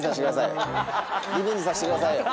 リベンジさせてくださいよ。